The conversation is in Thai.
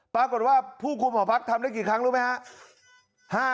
ปรากฏว่าผู้คุมหอพักทำได้กี่ครั้งรู้ไหมครับ